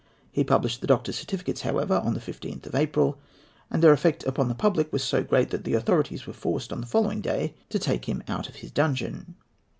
He published the doctors' certificates, however, on the 15th of April, and their effect upon the public was so great that the authorities were forced on the following day to take him out of his dungeon.